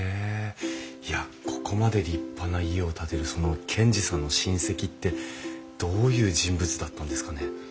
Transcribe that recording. いやここまで立派な家を建てるその賢治さんの親戚ってどういう人物だったんですかね？